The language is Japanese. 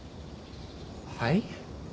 はい？